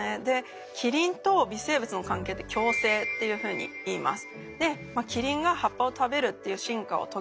キリンと微生物の関係って「共生」っていうふうにいいます。